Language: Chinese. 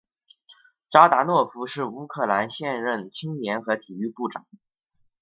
扎达诺夫是乌克兰现任青年和体育部长。